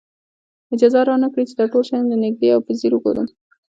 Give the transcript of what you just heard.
اجازه را نه کړي چې دا ټول شیان له نږدې او په ځیر وګورم.